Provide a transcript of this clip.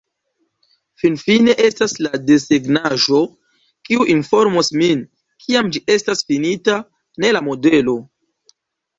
Finfine estas la desegnaĵo, kiu informos min, kiam ĝi estas finita, ne la modelo.